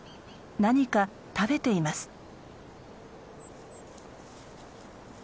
何か食べています。